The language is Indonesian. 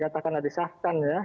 katakan ada syahkan ya